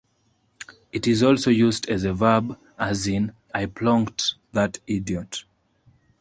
It is also used as a verb, as in: "I plonked that idiot".